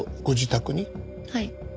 はい。